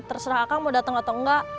terserah aka mau datang atau enggak